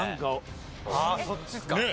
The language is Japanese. ああそっちっすか？